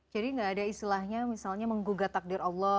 jadi gak ada istilahnya misalnya menggugat takdir allah